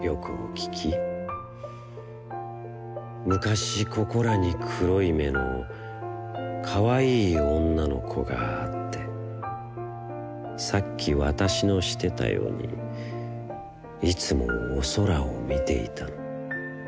むかし、ここらに黒い眼の、かわいい女の子があって、さっきわたしのしてたよに、いつもお空をみていたの。